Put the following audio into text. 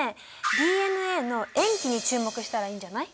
ＤＮＡの塩基に注目したらいいんじゃない？